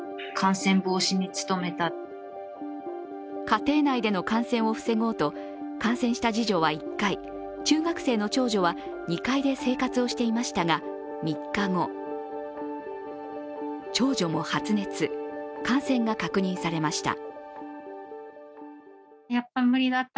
家庭内での感染を防ごうと感染した次女は１階、中学生の長女は２階で生活をしていましたが、３日後、長女も発熱、感染が確認されました